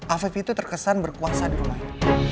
afif itu terkesan berkuasa di rumahnya